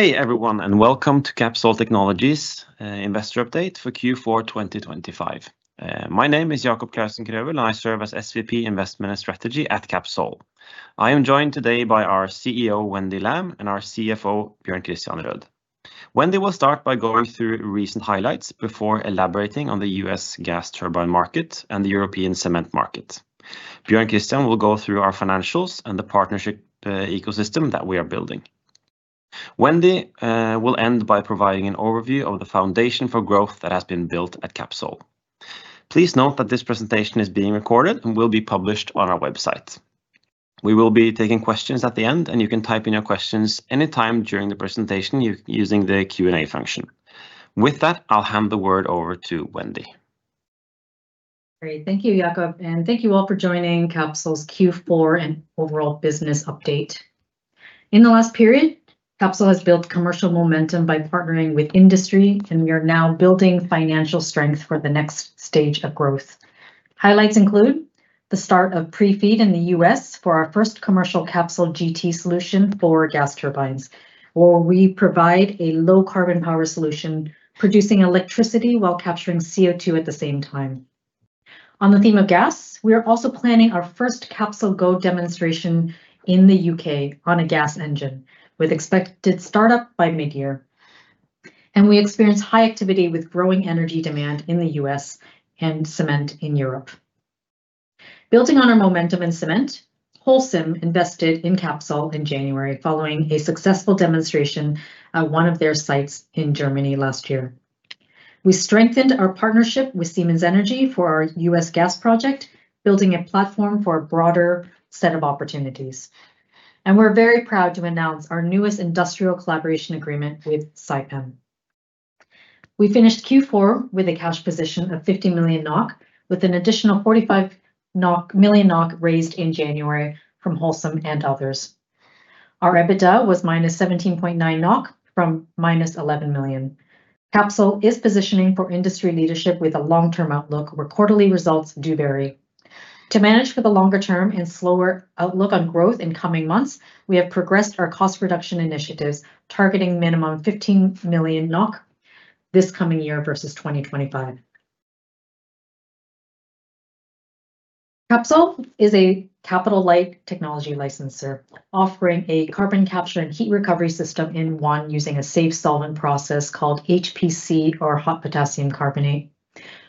Hey, everyone, welcome to Capsol Technologies investor update for Q4 2025. My name is Jacob Clausen Krøvel, and I serve as SVP Investment and Strategy at Capsol. I am joined today by our CEO, Wendy Lam, and our CFO, Bjørn Kristian Røed. Wendy will start by going through recent highlights before elaborating on the U.S. gas turbine market and the European cement market. Bjørn Kristian will go through our financials and the partnership ecosystem that we are building. Wendy will end by providing an overview of the foundation for growth that has been built at Capsol. Please note that this presentation is being recorded and will be published on our website. We will be taking questions at the end, you can type in your questions any time during the presentation using the Q&A function. With that, I'll hand the word over to Wendy. Great. Thank you, Jacob, for joining Capsol's Q4 and overall business update. In the last period, Capsol has built commercial momentum by partnering with industry, we are now building financial strength for the next stage of growth. Highlights include the start of pre-FEED in the U.S. for our first commercial CapsolGT solution for gas turbines, where we provide a low carbon power solution, producing electricity while capturing CO2 at the same time. On the theme of gas, we are also planning our first CapsolGo demonstration in the U.K. on a gas engine, with expected startup by midyear. We experience high activity with growing energy demand in the U.S. and cement in Europe. Building on our momentum in cement, Holcim invested in Capsol in January following a successful demonstration at one of their sites in Germany last year. We strengthened our partnership with Siemens Energy for our U.S. gas project, building a platform for a broader set of opportunities. We're very proud to announce our newest industrial collaboration agreement with Saipem. We finished Q4 with a cash position of 50 million NOK, with an additional 45 million NOK raised in January from Holcim and others. Our EBITDA was -17.9 million NOK from -11 million. Capsol is positioning for industry leadership with a long-term outlook where quarterly results do vary. To manage for the longer term and slower outlook on growth in coming months, we have progressed our cost reduction initiatives, targeting minimum 15 million NOK this coming year versus 2025. Capsol is a capital-light technology licensor, offering a carbon capture and heat recovery system in one using a safe solvent process called HPC or Hot Potassium Carbonate.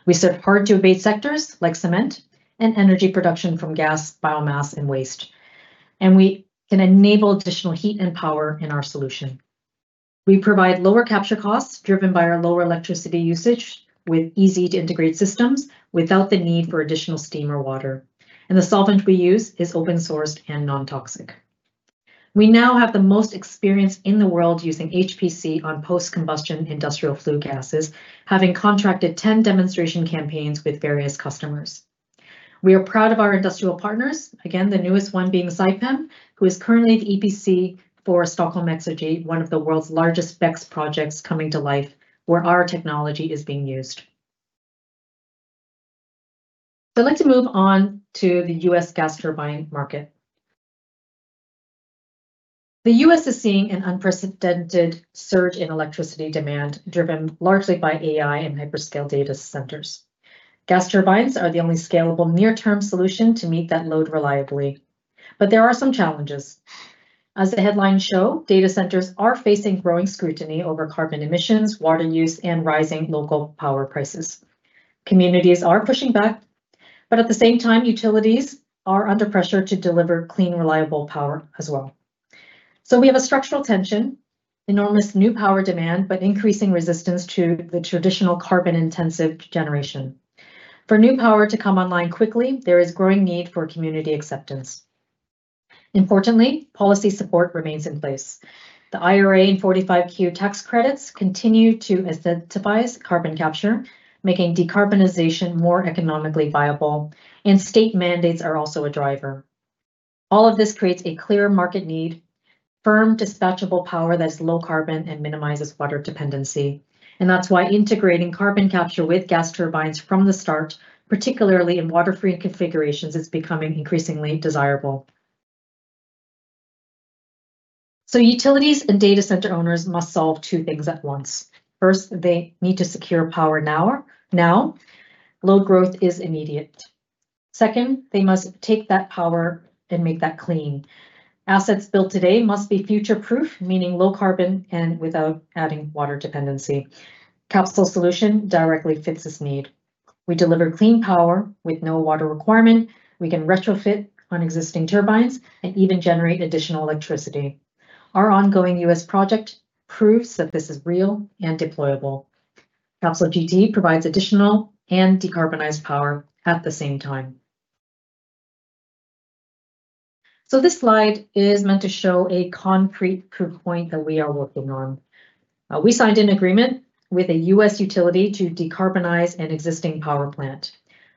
We serve hard-to-abate sectors like cement and energy production from gas, biomass, and waste, and we can enable additional heat and power in our solution. We provide lower capture costs driven by our lower electricity usage with easy-to-integrate systems without the need for additional steam or water, and the solvent we use is open sourced and non-toxic. We now have the most experience in the world using HPC on post-combustion industrial flue gases, having contracted 10 demonstration campaigns with various customers. We are proud of our industrial partners, again, the newest one being Saipem, who is currently the EPC for Stockholm Exergi, one of the world's largest BECCS projects coming to life, where our technology is being used. Let's move on to the U.S. gas turbine market. The U.S. is seeing an unprecedented surge in electricity demand, driven largely by AI and hyperscale data centers. Gas turbines are the only scalable near-term solution to meet that load reliably. There are some challenges. As the headlines show, data centers are facing growing scrutiny over carbon emissions, water use, and rising local power prices. Communities are pushing back, at the same time, utilities are under pressure to deliver clean, reliable power as well. We have a structural tension, enormous new power demand, but increasing resistance to the traditional carbon-intensive generation. For new power to come online quickly, there is growing need for community acceptance. Fortunately, policy support remains in place. The IRA and 45Q tax credits continue to incentivize carbon capture, making decarbonization more economically viable, and state mandates are also a driver. All of this creates a clear market need, firm dispatchable power that is low carbon and minimizes water dependency. That's why integrating carbon capture with gas turbines from the start, particularly in water-free configurations, is becoming increasingly desirable. Utilities and data center owners must solve two things at once. First, they need to secure power now. Load growth is immediate. Second, they must take that power and make that clean. Assets built today must be future-proof, meaning low carbon and without adding water dependency. Capsol solution directly fits this need. We deliver clean power with no water requirement. We can retrofit on existing turbines and even generate additional electricity. Our ongoing U.S. project proves that this is real and deployable. CapsolGT provides additional and decarbonized power at the same time. This slide is meant to show a concrete proof point that we are working on. We signed an agreement with a U.S. utility to decarbonize an existing power plant.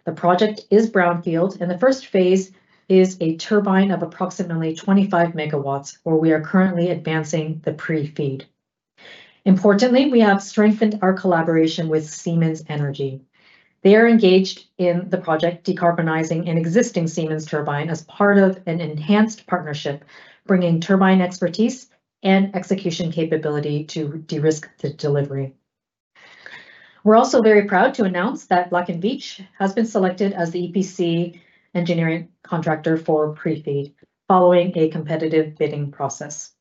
The project is brownfield. The first phase is a turbine of approximately 25 MW, where we are currently advancing the pre-FEED. Importantly, we have strengthened our collaboration with Siemens Energy. They are engaged in the project, decarbonizing an existing Siemens turbine as part of an enhanced partnership, bringing turbine expertise and execution capability to de-risk the delivery. We're also very proud to announce that Black & Veatch has been selected as the EPC engineering contractor for pre-FEED, following a competitive bidding process.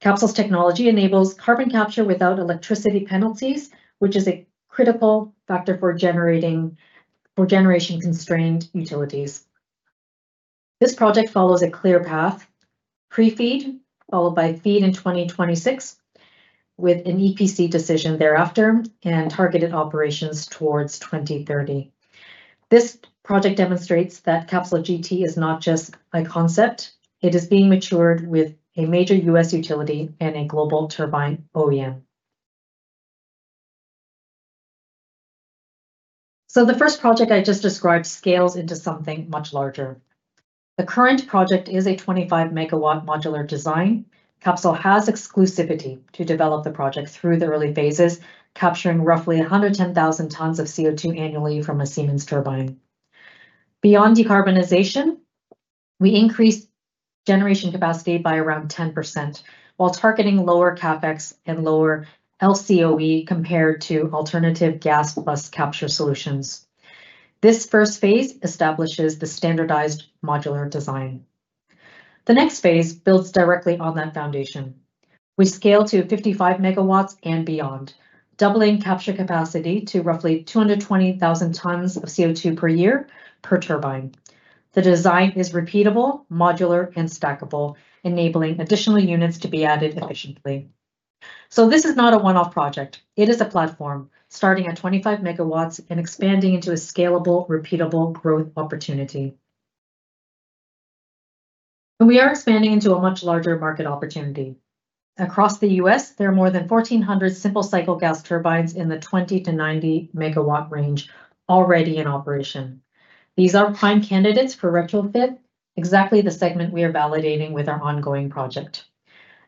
Capsol's technology enables carbon capture without electricity penalties, which is a critical factor for generation-constrained utilities. This project follows a clear path. pre-FEED, followed by FEED in 2026, with an EPC decision thereafter, targeted operations towards 2030. This project demonstrates that CapsolGT is not just a concept, it is being matured with a major U.S. utility and a global turbine OEM. The first project I just described scales into something much larger. The current project is a 25 MW modular design. Capsol has exclusivity to develop the project through the early phases, capturing roughly 110,000 tons of CO2 annually from a Siemens turbine. Beyond decarbonization, we increase generation capacity by around 10%, while targeting lower CapEx and lower LCOE compared to alternative gas plus capture solutions. This first phase establishes the standardized modular design. The next phase builds directly on that foundation. We scale to 55 MW and beyond, doubling capture capacity to roughly 220,000 tons of CO2 per year per turbine. The design is repeatable, modular, and stackable, enabling additional units to be added efficiently. This is not a one-off project. It is a platform starting at 25 MW and expanding into a scalable, repeatable growth opportunity. We are expanding into a much larger market opportunity. Across the U.S., there are more than 1,400 simple cycle gas turbines in the 20 MW-90 MW range already in operation. These are prime candidates for retrofit, exactly the segment we are validating with our ongoing project.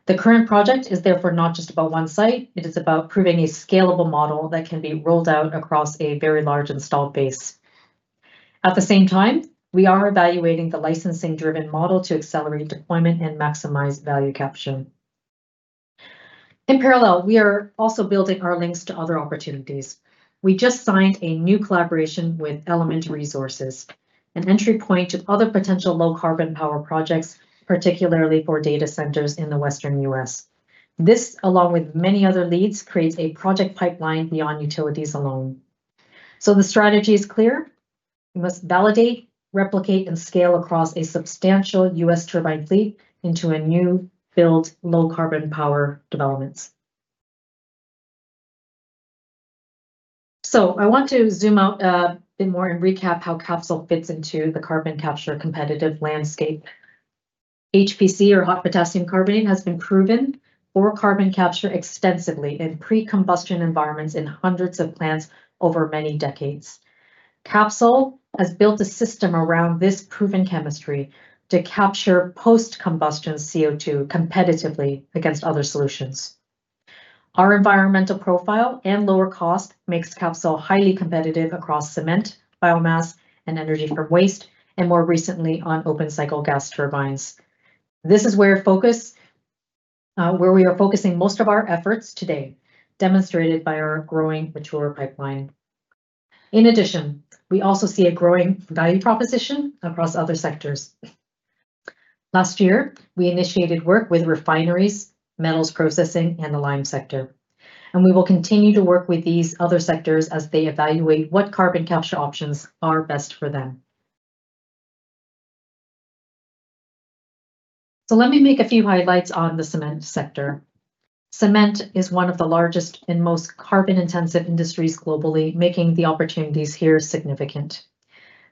The current project is therefore not just about one site, it is about proving a scalable model that can be rolled out across a very large installed base. At the same time, we are evaluating the licensing-driven model to accelerate deployment and maximize value capture. In parallel, we are also building our links to other opportunities. We just signed a new collaboration with Element Resources, an entry point to other potential low carbon power projects, particularly for data centers in the Western U.S. This, along with many other leads, creates a project pipeline beyond utilities alone. The strategy is clear. We must validate, replicate, and scale across a substantial U.S. turbine fleet into a new build low carbon power developments. I want to zoom out a bit more and recap how Capsol fits into the carbon capture competitive landscape. HPC or Hot Potassium Carbonate has been proven for carbon capture extensively in pre-combustion environments in hundreds of plants over many decades. Capsol has built a system around this proven chemistry to capture post-combustion CO2 competitively against other solutions. Our environmental profile and lower cost makes Capsol highly competitive across cement, biomass, and energy from waste, and more recently on open cycle gas turbines. This is where we are focusing most of our efforts today, demonstrated by our growing mature pipeline. In addition, we also see a growing value proposition across other sectors. Last year, we initiated work with refineries, metals processing, and the lime sector. We will continue to work with these other sectors as they evaluate what carbon capture options are best for them. Let me make a few highlights on the cement sector. Cement is one of the largest and most carbon-intensive industries globally, making the opportunities here significant.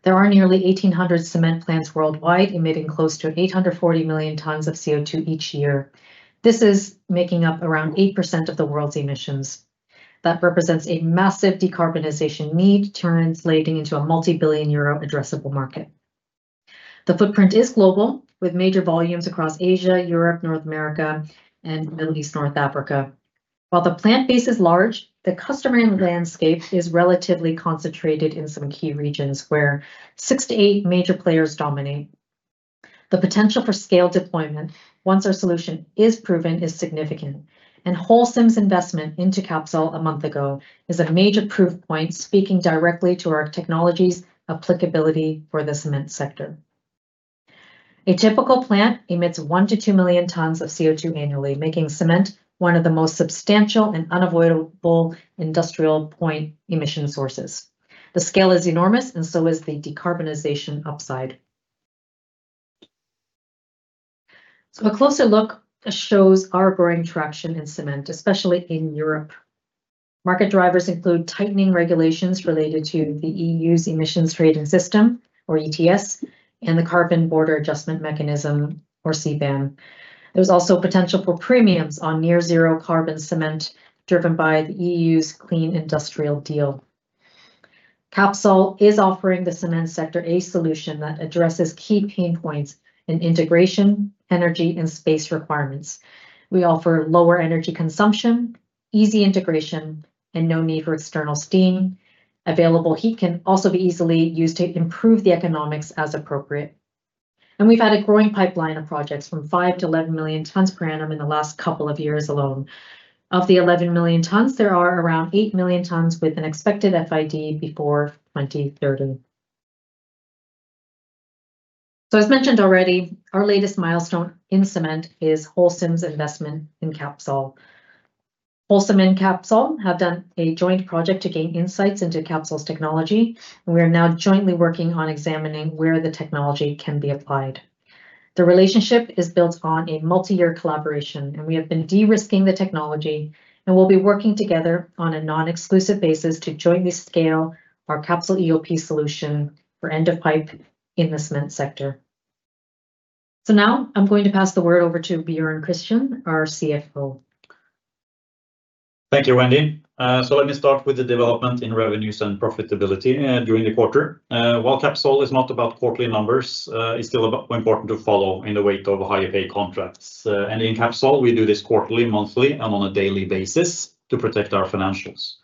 There are nearly 1,800 cement plants worldwide, emitting close to 840 million tons of CO2 each year. This is making up around 8% of the world's emissions. That represents a massive decarbonization need, translating into a multi-billion EUR addressable market. The footprint is global, with major volumes across Asia, Europe, North America, and Middle East/North Africa. While the plant base is large, the customer landscape is relatively concentrated in some key regions where six to eight major players dominate. The potential for scale deployment once our solution is proven is significant. Holcim's investment into Capsol a month ago is a major proof point speaking directly to our technology's applicability for the cement sector. A typical plant emits 1 million tons-2 million tons of CO2 annually, making cement one of the most substantial and unavoidable industrial point emission sources. The scale is enormous, and so is the decarbonization upside. A closer look shows our growing traction in cement, especially in Europe. Market drivers include tightening regulations related to the EU's Emissions Trading System, or ETS, and the Carbon Border Adjustment Mechanism, or CBAM. There's also potential for premiums on near zero carbon cement driven by the EU's Clean Industrial Deal. Capsol is offering the cement sector a solution that addresses key pain points in integration, energy and space requirements. We offer lower energy consumption, easy integration, and no need for external steam. Available heat can also be easily used to improve the economics as appropriate. We've had a growing pipeline of projects from 5 million tons-11 million tons per annum in the last couple of years alone. Of the 11 million tons, there are around 8 million tons with an expected FID before 2030. As mentioned already, our latest milestone in cement is Holcim's investment in Capsol. Holcim and Capsol have done a joint project to gain insights into Capsol's technology, and we are now jointly working on examining where the technology can be applied. The relationship is built on a multi-year collaboration, and we have been de-risking the technology, and we'll be working together on a non-exclusive basis to jointly scale our CapsolEoP solution for end-of-pipe in the cement sector. Now I'm going to pass the word over to Bjørn Kristian, our CFO. Thank you, Wendy. Let me start with the development in revenues and profitability during the quarter. While Capsol is not about quarterly numbers, it's still important to follow in the weight of higher pay contracts. In Capsol, we do this quarterly, monthly, and on a daily basis to protect our financials.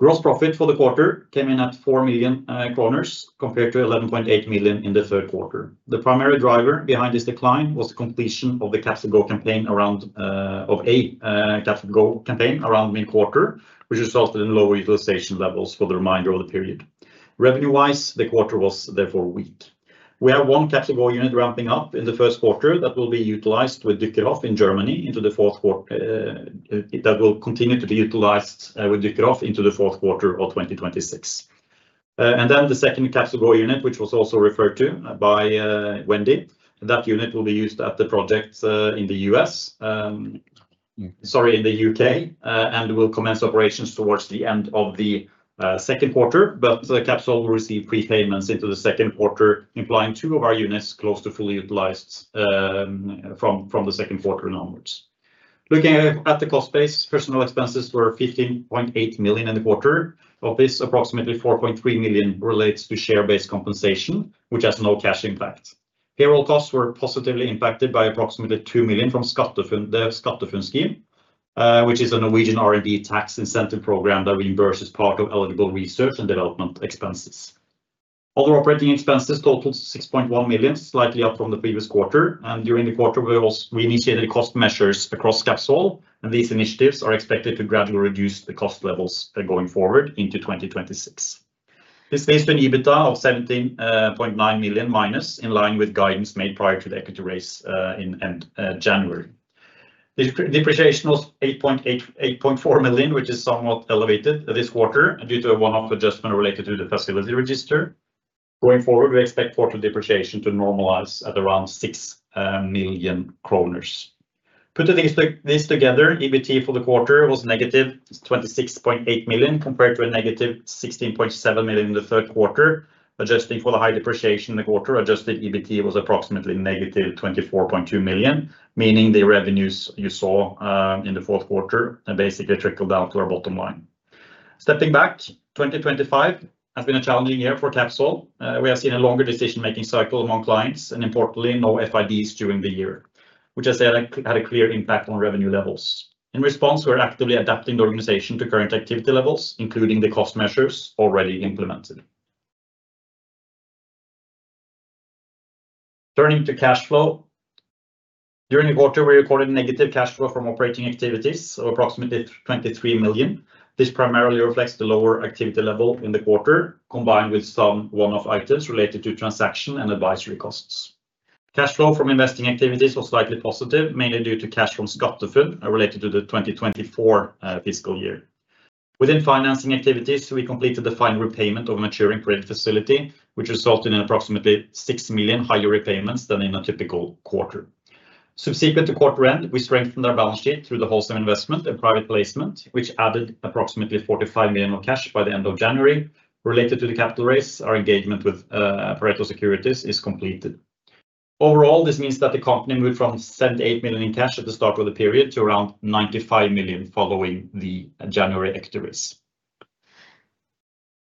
Gross profit for the quarter came in at 4 million kroner, compared to 11.8 million in the third quarter. The primary driver behind this decline was the completion of a CapsolGo campaign around mid-quarter, which resulted in lower utilization levels for the remainder of the period. Revenue-wise, the quarter was therefore weak. We have one CapsolGo unit ramping up in the first quarter that will be utilized with Dyckerhoff in Germany into the fourth quarter that will continue to be utilized with Dyckerhoff into the fourth quarter of 2026. The second CapsolGo unit, which was also referred to by Wendy, that unit will be used at the project in the U.S., sorry, in the U.K., and will commence operations towards the end of the second quarter. Capsol will receive prepayments into the second quarter, implying two of our units close to fully utilized from the second quarter onwards. Looking at the cost base, personal expenses were 15.8 million in the quarter. Of this, approximately 4.3 million relates to share-based compensation, which has no cash impact. Payroll costs were positively impacted by approximately 2 million from SkatteFUNN, the SkatteFUNN scheme, which is a Norwegian R&D tax incentive program that reimburses part of eligible research and development expenses. Other operating expenses totaled 6.1 million, slightly up from the previous quarter. During the quarter, we initiated cost measures across Capsol, and these initiatives are expected to gradually reduce the cost levels going forward into 2026. This leaves an EBITDA of -17.9 million in line with guidance made prior to the equity raise in January. Depreciation was 8.4 million, which is somewhat elevated this quarter due to a one-off adjustment related to the facility register. Going forward, we expect quarter depreciation to normalize at around 6 million kroner. Putting this together, EBT for the quarter was negative 26.8 million compared to a -16.7 million in the third quarter. Adjusting for the high depreciation in the quarter, adjusted EBT was approximately -24.2 million, meaning the revenues you saw in the fourth quarter basically trickled down to our bottom line. Stepping back, 2025 has been a challenging year for Capsol. We have seen a longer decision-making cycle among clients and importantly, no FIDs during the year, which has had a clear impact on revenue levels. In response, we're actively adapting the organization to current activity levels, including the cost measures already implemented. Turning to cash flow. During the quarter, we recorded negative cash flow from operating activities of approximately 23 million. This primarily reflects the lower activity level in the quarter, combined with some one-off items related to transaction and advisory costs. Cash flow from investing activities was slightly positive, mainly due to cash from SkatteFUNN related to the 2024 fiscal year. Within financing activities, we completed the final repayment of maturing credit facility, which resulted in approximately 6 million higher repayments than in a typical quarter. Subsequent to quarter end, we strengthened our balance sheet through the Holcim investment and private placement, which added approximately 45 million of cash by the end of January. Related to the capital raise, our engagement with Pareto Securities is completed. Overall, this means that the company moved from 78 million in cash at the start of the period to around 95 million following the January equity raise.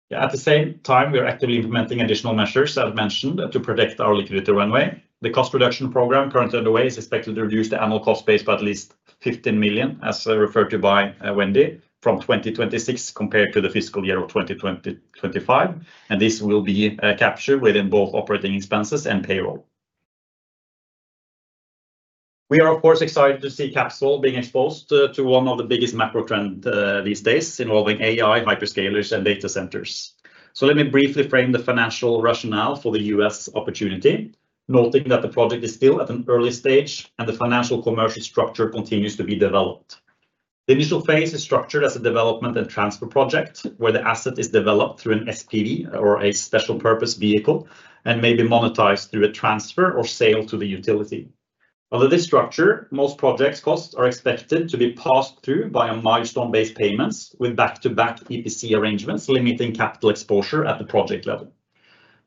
At the same time, we are actively implementing additional measures, as mentioned, to protect our liquidity runway. The cost reduction program currently underway is expected to reduce the annual cost base by at least 15 million, as referred to by Wendy, from 2026 compared to the fiscal year of 2025, and this will be captured within both operating expenses and payroll. We are of course, excited to see Capsol being exposed to one of the biggest macro trend these days involving AI, hyperscalers and data centers. Let me briefly frame the financial rationale for the U.S. opportunity, noting that the project is still at an early stage and the financial commercial structure continues to be developed. The initial phase is structured as a development and transfer project where the asset is developed through an SPV or a special purpose vehicle and may be monetized through a transfer or sale to the utility. Under this structure, most projects costs are expected to be passed through by a milestone-based payments with back-to-back EPC arrangements limiting capital exposure at the project level.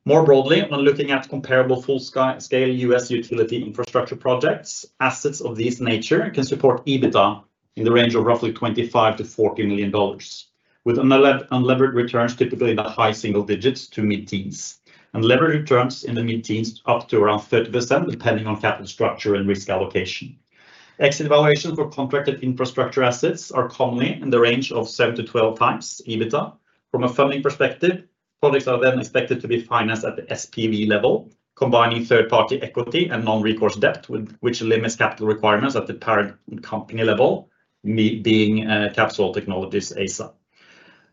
More broadly, when looking at comparable full-scale U.S. utility infrastructure projects, assets of this nature can support EBITDA in the range of roughly $25 million-$40 million, with unlevered returns typically in the high single digits to mid-teens. Unlevered returns in the mid-teens up to around 30% depending on capital structure and risk allocation. Exit valuation for contracted infrastructure assets are commonly in the range of 7x-12x EBITDA. From a funding perspective, projects are then expected to be financed at the SPV level, combining third-party equity and non-recourse debt, which limits capital requirements at the parent company level, being Capsol Technologies ASA.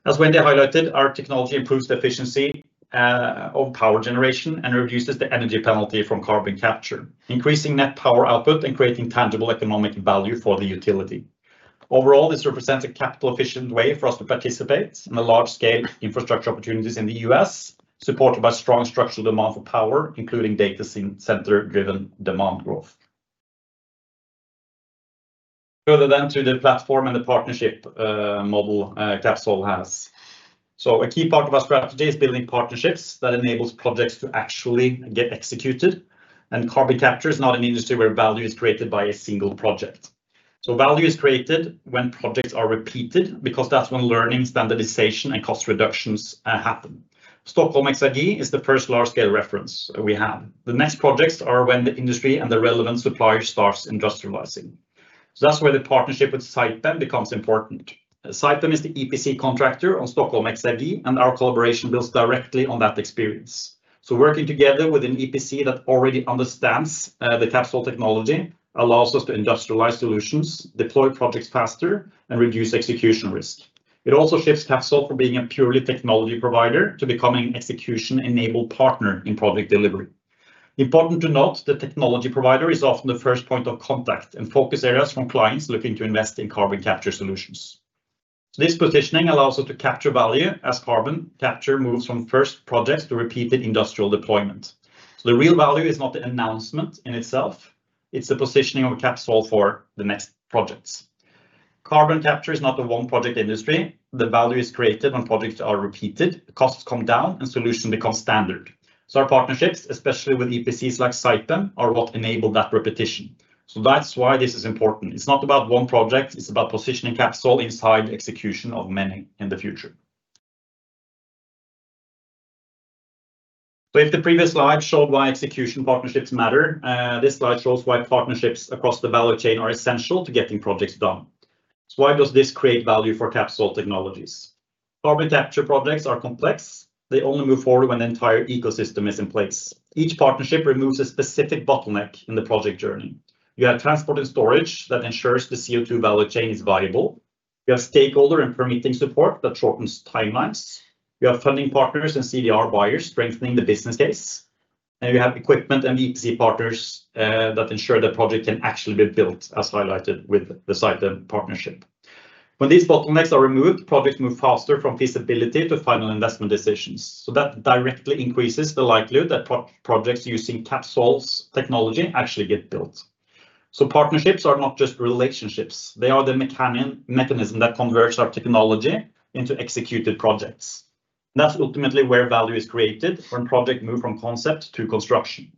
As Wendy highlighted, our technology improves the efficiency of power generation and reduces the energy penalty from carbon capture, increasing net power output and creating tangible economic value for the utility. Overall, this represents a capital efficient way for us to participate in the large scale infrastructure opportunities in the U.S., supported by strong structural demand for power, including data center driven demand growth. Further to the platform and the partnership model, Capsol has. A key part of our strategy is building partnerships that enables projects to actually get executed. Carbon capture is not an industry where value is created by a single project. Value is created when projects are repeated because that's when learning, standardization, and cost reductions happen. Stockholm Exergi is the first large scale reference we have. The next projects are when the industry and the relevant supplier starts industrializing. That's where the partnership with Saipem becomes important. Saipem is the EPC contractor on Stockholm Exergi, and our collaboration builds directly on that experience. Working together with an EPC that already understands the Capsol technology allows us to industrialize solutions, deploy projects faster, and reduce execution risk. It also shifts Capsol from being a purely technology provider to becoming execution-enabled partner in project delivery. Important to note, the technology provider is often the first point of contact and focus areas from clients looking to invest in carbon capture solutions. This positioning allows us to capture value as carbon capture moves from first projects to repeated industrial deployment. The real value is not the announcement in itself, it's the positioning of Capsol for the next projects. Carbon capture is not a one project industry. The value is created when projects are repeated, costs come down, and solution become standard. Our partnerships, especially with EPCs like Saipem, are what enable that repetition. That's why this is important. It's not about one project, it's about positioning Capsol inside execution of many in the future. If the previous slide showed why execution partnerships matter, this slide shows why partnerships across the value chain are essential to getting projects done. Why does this create value for Capsol Technologies? Carbon capture projects are complex. They only move forward when the entire ecosystem is in place. Each partnership removes a specific bottleneck in the project journey. You have transport and storage that ensures the CO2 value chain is viable. You have stakeholder and permitting support that shortens timelines. You have funding partners and CDR buyers strengthening the business case. You have equipment and EPC partners that ensure the project can actually be built, as highlighted with the Saipem partnership. When these bottlenecks are removed, projects move faster from feasibility to final investment decisions. That directly increases the likelihood that projects using Capsol's technology actually get built. Partnerships are not just relationships, they are the mechanism that converts our technology into executed projects. That's ultimately where value is created when project move from concept to construction.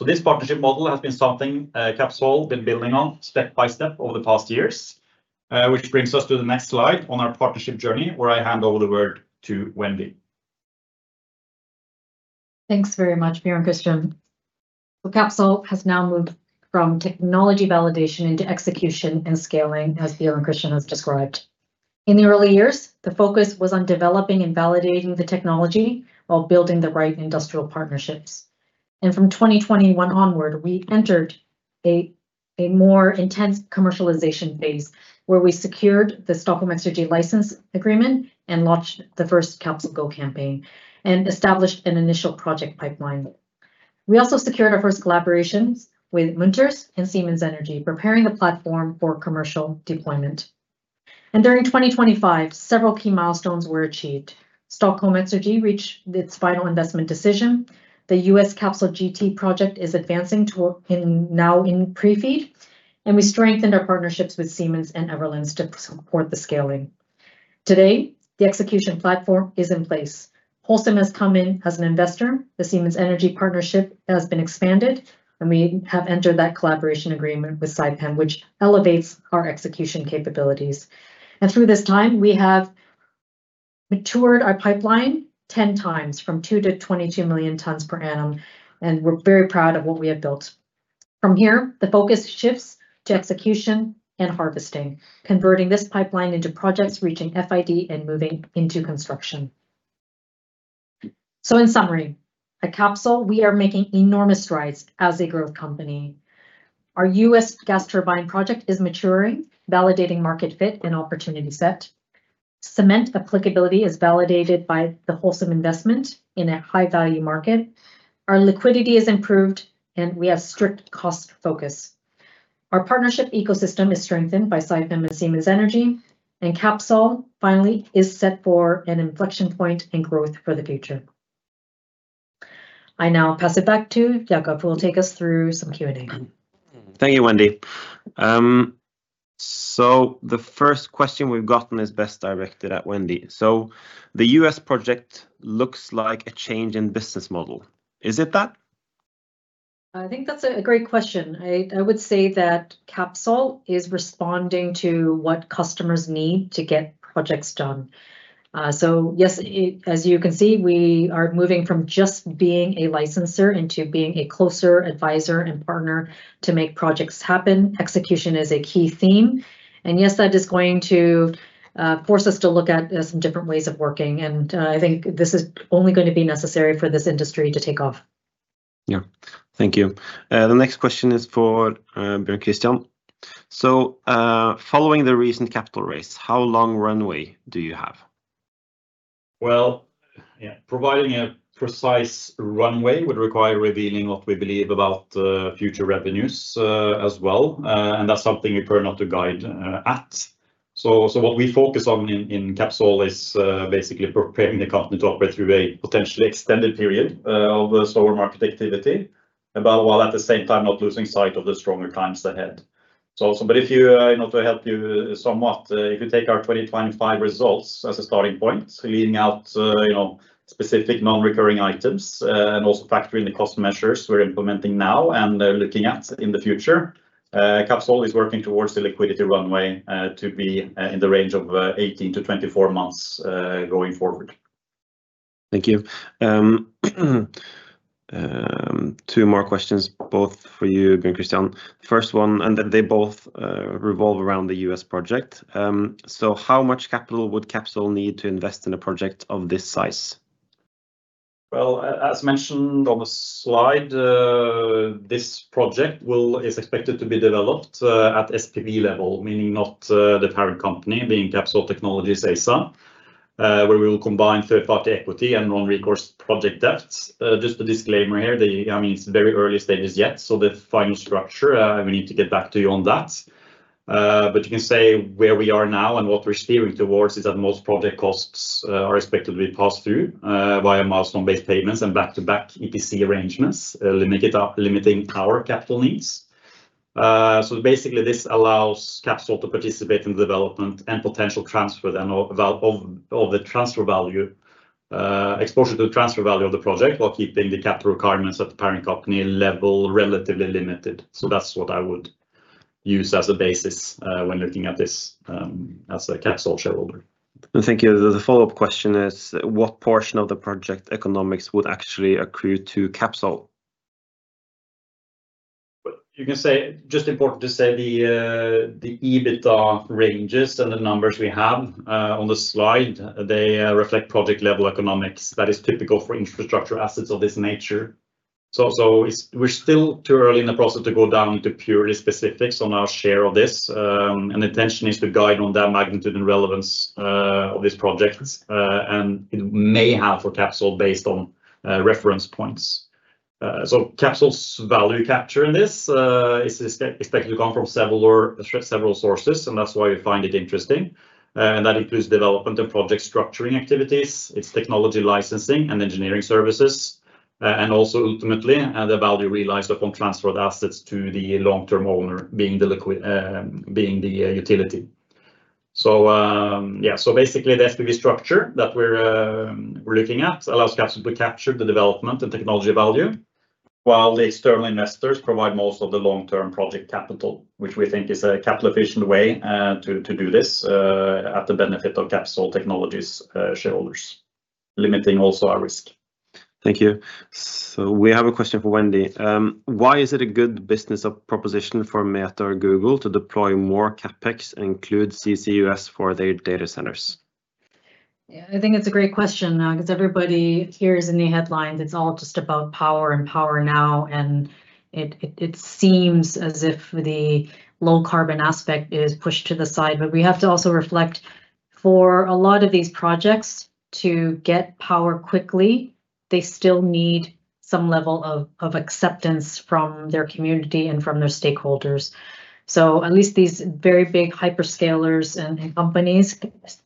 This partnership model has been something Capsol been building on step by step over the past years. Which brings us to the next slide on our partnership journey, where I hand over the word to Wendy. Thanks very much, Wendy and Kristian. Capsol has now moved from technology validation into execution and scaling, as Wendy and Kristian has described. In the early years, the focus was on developing and validating the technology while building the right industrial partnerships. From 2021 onward, we entered a more intense commercialization phase, where we secured the Stockholm Exergi license agreement and launched the first CapsolGo campaign and established an initial project pipeline. We also secured our first collaborations with Munters and Siemens Energy, preparing the platform for commercial deployment. During 2025, several key milestones were achieved. Stockholm Exergi reached its final investment decision. The U.S. CapsolGT project is advancing in now in pre-FEED. We strengthened our partnerships with Siemens and Everllence to support the scaling. Today, the execution platform is in place. Holcim has come in as an investor. The Siemens Energy partnership has been expanded, we have entered that collaboration agreement with Saipem, which elevates our execution capabilities. Through this time, we have matured our pipeline 10x from 2 million tons-22 million tons per annum, and we're very proud of what we have built. From here, the focus shifts to execution and harvesting, converting this pipeline into projects reaching FID and moving into construction. In summary, at Capsol, we are making enormous strides as a growth company. Our U.S. gas turbine project is maturing, validating market fit and opportunity set. Cement applicability is validated by the Holcim investment in a high value market. Our liquidity is improved, and we have strict cost focus. Our partnership ecosystem is strengthened by Saipem and Siemens Energy. Capsol finally is set for an inflection point and growth for the future. I now pass it back to Jacob, who will take us through some Q&A. Thank you, Wendy. The first question we've gotten is best directed at Wendy. The U.S. project looks like a change in business model. Is it that? I think that's a great question. I would say that Capsol is responding to what customers need to get projects done. Yes, as you can see, we are moving from just being a licensor into being a closer advisor and partner to make projects happen. Execution is a key theme, yes, that is going to force us to look at some different ways of working, I think this is only going to be necessary for this industry to take off. Yeah. Thank you. The next question is for, Bjørn Kristian. Following the recent capital raise, how long runway do you have? Well, yeah, providing a precise runway would require revealing what we believe about future revenues as well. That's something you prefer not to guide at. What we focus on in Capsol is basically preparing the company to operate through a potentially extended period of slower market activity, but while at the same time not losing sight of the stronger times ahead. If you know, to help you somewhat, if you take our 2025 results as a starting point, leading out, you know, specific non-recurring items, and also factor in the cost measures we're implementing now and are looking at in the future, Capsol is working towards the liquidity runway to be in the range of 18 months-24 months going forward. Thank you. Two more questions both for you, Bjørn Kristian. First one, and then they both revolve around the U.S. project. How much capital would Capsol need to invest in a project of this size? Well, as mentioned on the slide, this project is expected to be developed at SPV level, meaning not the parent company, being Capsol Technologies ASA, where we will combine third party equity and non-recourse project debts. Just a disclaimer here, I mean, it's very early stages yet, so the final structure, we need to get back to you on that. You can say where we are now and what we're steering towards is that most project costs are expected to be passed through via milestone-based payments and back-to-back EPC arrangements, limiting our capital needs. Basically this allows Capsol to participate in the development and potential transfer then of the transfer value, exposure to the transfer value of the project, while keeping the capital requirements of the parent company level relatively limited. That's what I would use as a basis, when looking at this, as a Capsol shareholder. Thank you. The follow-up question is, what portion of the project economics would actually accrue to Capsol? Well, you can say, just important to say the EBITDA ranges and the numbers we have on the slide, they reflect project-level economics that is typical for infrastructure assets of this nature. It's, we're still too early in the process to go down to purely specifics on our share of this. Intention is to guide on that magnitude and relevance of this project. It may have for Capsol based on reference points. Capsol's value capture in this is expected to come from several or several sources, and that's why we find it interesting. That includes development and project structuring activities, its technology licensing and engineering services, and also ultimately, the value realized upon transfer of assets to the long-term owner being the utility. Yeah. Basically, the SPV structure that we're looking at allows Capsol to capture the development and technology value, while the external investors provide most of the long-term project capital, which we think is a capital efficient way to do this at the benefit of Capsol Technologies shareholders, limiting also our risk. Thank you. We have a question for Wendy. Why is it a good business proposition for Meta or Google to deploy more CapEx and include CCUS for their data centers? Yeah, I think it's a great question. 'cause everybody hears in the headlines, it's all just about power and power now, and it seems as if the low-carbon aspect is pushed to the side. We have to also reflect, for a lot of these projects to get power quickly, they still need some level of acceptance from their community and from their stakeholders. At least these very big hyperscalers and companies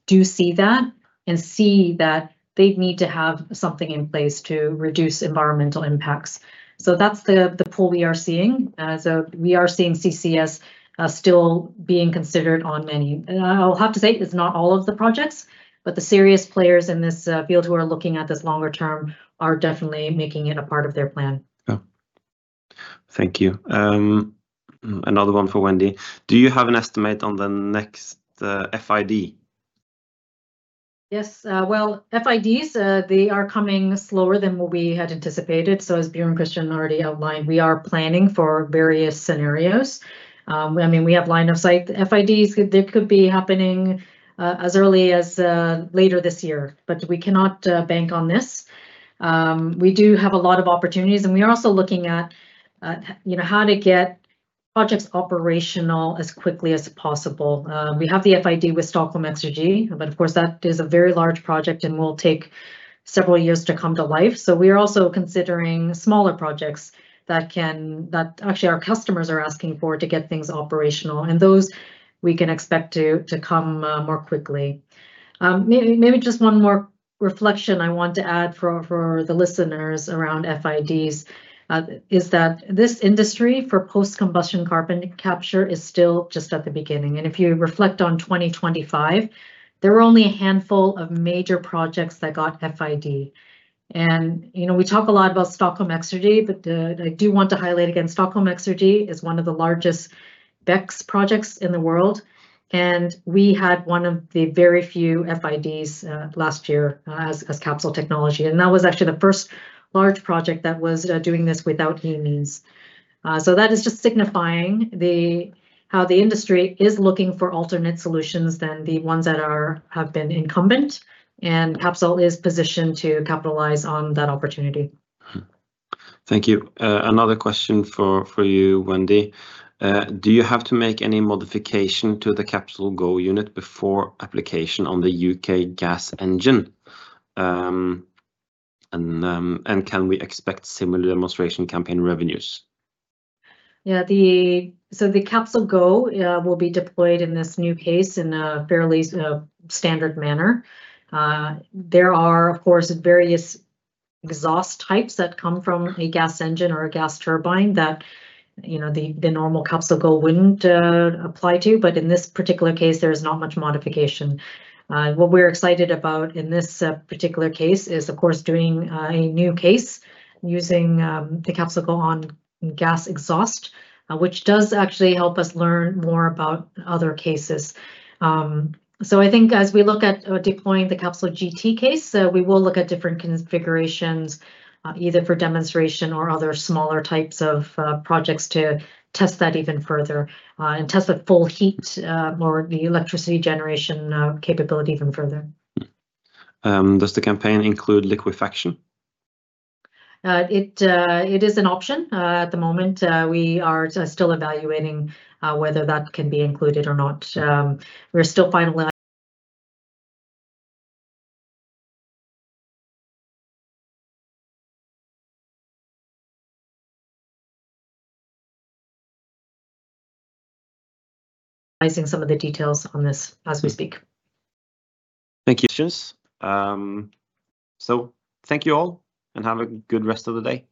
do see that and see that they need to have something in place to reduce environmental impacts. That's the pull we are seeing. We are seeing CCS still being considered on many. I'll have to say it's not all of the projects, but the serious players in this field who are looking at this longer term are definitely making it a part of their plan. Yeah. Thank you. Another one for Wendy. Do you have an estimate on the next FID? Yes. Well, FIDs, they are coming slower than what we had anticipated. As Bjørn Kristian already outlined, we are planning for various scenarios. I mean, we have line of sight. FIDs could be happening as early as later this year, we cannot bank on this. We do have a lot of opportunities, we are also looking at, you know, how to get projects operational as quickly as possible. We have the FID with Stockholm Exergi, of course, that is a very large project and will take several years to come to life. We are also considering smaller projects that actually our customers are asking for to get things operational, and those we can expect to come more quickly. Maybe just one more reflection I want to add for the listeners around FIDs, is that this industry for post-combustion carbon capture is still just at the beginning. If you reflect on 2025, there were only a handful of major projects that got FID. You know, we talk a lot about Stockholm Exergi, I do want to highlight again, Stockholm Exergi is one of the largest BECCS projects in the world, and we had one of the very few FIDs last year as Capsol Technologies. That was actually the first large project that was doing this without amines. That is just signifying how the industry is looking for alternate solutions than the ones that have been incumbent, Capsol is positioned to capitalize on that opportunity. Thank you. Another question for you, Wendy. Do you have to make any modification to the CapsolGo unit before application on the U.K. gas engine? Can we expect similar demonstration campaign revenues? The CapsolGo will be deployed in this new case in a fairly standard manner. There are of course, various exhaust types that come from a gas engine or a gas turbine that, you know, the normal CapsolGo wouldn't apply to. In this particular case, there's not much modification. What we're excited about in this particular case is of course doing a new case using the CapsolGo on gas exhaust, which does actually help us learn more about other cases. I think as we look at deploying the CapsolGT case, we will look at different configurations, either for demonstration or other smaller types of projects to test that even further, and test the full heat, or the electricity generation, capability even further. Does the campaign include liquefaction? It is an option. At the moment, we are still evaluating whether that can be included or not. We're still finalizing some of the details on this as we speak. Thank you. Thank you all, and have a good rest of the day.